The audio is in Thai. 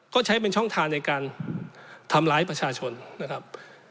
ก็ใช้เป็นช่องทางในการทำร้ายประชาชนนะครับ